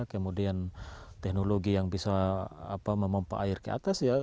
kemudian teknologi yang bisa memompak air ke atas ya